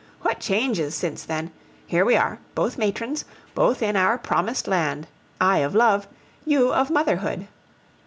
What changes since then! Here we are, both matrons, both in our promised land I of love, you of motherhood.